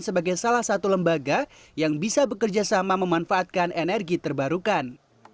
sebagai salah satu lembaga yang bisa bekerja sama memanfaatkan energi terbarukan